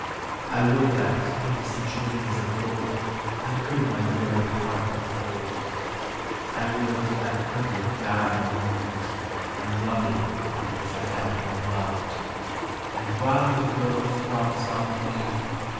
I would that in such wings of gold I could my weary heart upfold ; ANIMATE NATURE. £ I would I could look down unmoved (Unloving as I am unloved), And while the world throngs on beneath.